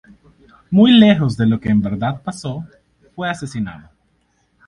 Muy lejos de lo que en verdad pasó: fue asesinado.